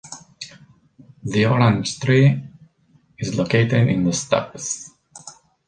The orange tree is located in the steppes.